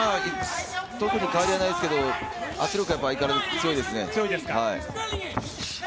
特に変わりはないですけど、圧力は相変わらず強いですね。